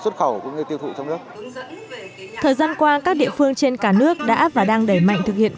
thời gian qua các địa phương trên cả nước đã và đang đẩy mạnh thực hiện